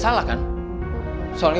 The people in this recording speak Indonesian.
saya harus pergi